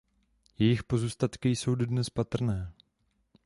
Jejich pozůstatky jsou dodnes patrné.